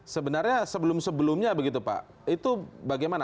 sebenarnya sebelum sebelumnya begitu pak itu bagaimana